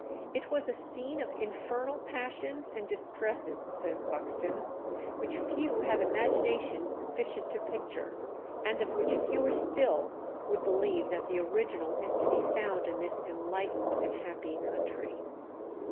It was "a scene of infernal passions and distresses," says Buxton, "which few have imagination sufficient to picture, and of which fewer still would believe that the original is to be found in this enlightened and happy country."